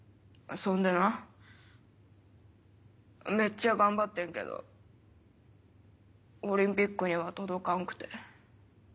そんでなめっちゃ頑張ってんけどオリンピックには届かんくて。